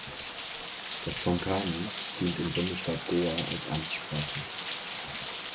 Das Konkani dient im Bundesstaat Goa als Amtssprache.